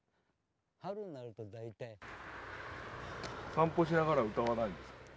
散歩しながら歌わないんですか？